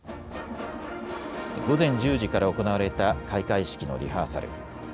午前１０時から行われた開会式のリハーサル。